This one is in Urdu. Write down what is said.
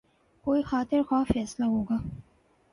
کوئی خاطر خواہ فیصلہ ہو گا۔